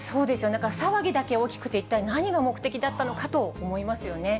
だから騒ぎだけが大きくて、一体何が目的だったのかと思いますよね。